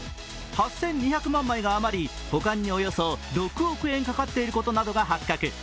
８２００万枚が余り保管におよそ６億円かかっていることなどが発覚。